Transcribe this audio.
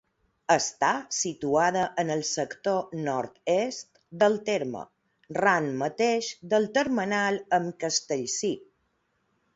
Està situada en el sector nord-est del terme, ran mateix del termenal amb Castellcir.